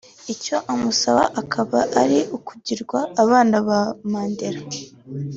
Icyo bamusaba akaba ari ukugirwa abana ba Mandela